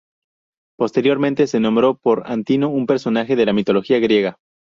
Posteriormente se nombró por Antínoo, un personaje de la mitología griega.